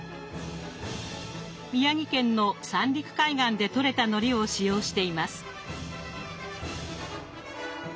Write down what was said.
宮城県の三陸海岸でとれたのりを使用しています。